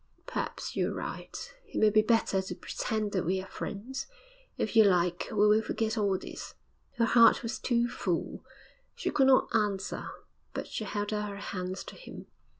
'Perhaps you're right. It may be better to pretend that we are friends. If you like, we will forget all this.' Her heart was too full; she could not answer; but she held out her hands to him.